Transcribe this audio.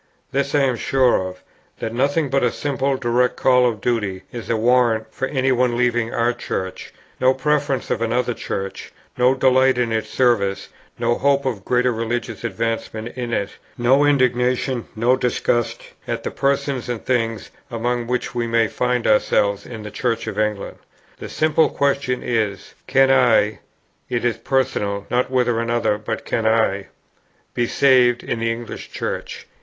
This I am sure of, that nothing but a simple, direct call of duty is a warrant for any one leaving our Church; no preference of another Church, no delight in its services, no hope of greater religious advancement in it, no indignation, no disgust, at the persons and things, among which we may find ourselves in the Church of England. The simple question is, Can I (it is personal, not whether another, but can I) be saved in the English Church?